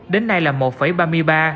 đến nay là một ba mươi năm năm